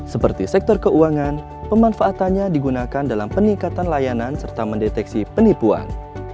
seperti sektor keuangan pemanfaatannya digunakan dalam peningkatan layanan serta mendeteksi penipuan